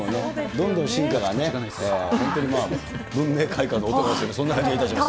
どんどん進化がね、本当に文明開化の音がする、そんな感じがいたします。